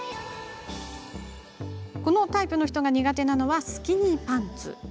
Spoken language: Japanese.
このタイプの人が苦手なのはスキニーパンツ。